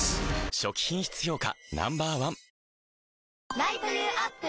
初期品質評価